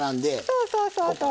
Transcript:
そうそうそうそう。